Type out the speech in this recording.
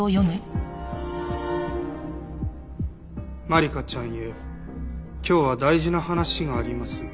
「万理華ちゃんへ今日は大事な話があります」